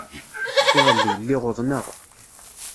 Iḍelli, lliɣ uḍneɣ.